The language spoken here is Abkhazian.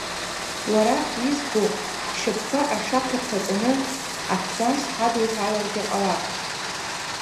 Уара избо, ҳшьапқәа ашаха рхаҵаны, аҭӡамц ҳадуҳәаларгьы ҟалап.